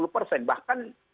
lima puluh persen bahkan